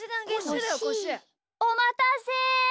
おまたせ。